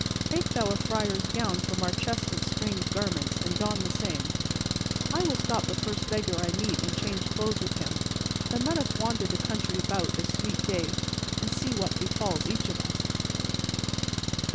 Take thou a friar's gown from our chest of strange garments, and don the same, and I will stop the first beggar I meet and change clothes with him. Then let us wander the country about, this sweet day, and see what befalls each of us."